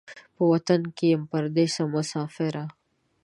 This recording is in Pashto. په وطن کې یم پردېسه مسافره